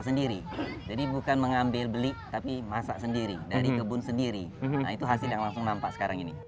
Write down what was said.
sendiri jadi bukan mengambil beli tapi masak sendiri dari kebun sendiri nah itu hasil yang langsung nampak sekarang ini